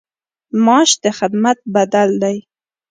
معاش د خدمت بدل دی